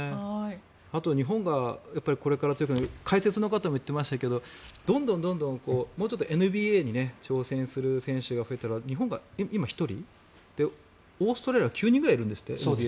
あと、日本がこれから強くなる解説の方も言ってましたけどどんどんもうちょっとＮＢＡに挑戦する選手が増えたら日本が今１人でオーストラリアは９人ぐらいいるんですってね。